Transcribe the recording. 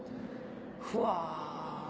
ふわ。